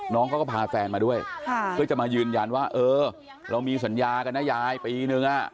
น้องเขาก็พาแฟนมาด้วยเพื่อจะมายืนยันว่าเออเรามีสัญญากันนะยายปีนึง